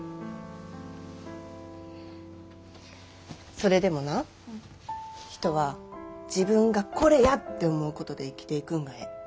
それでもな人は自分が「これや！」って思うことで生きていくんがええ。